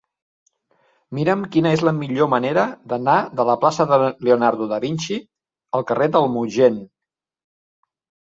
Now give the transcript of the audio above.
Mira'm quina és la millor manera d'anar de la plaça de Leonardo da Vinci al carrer del Mogent.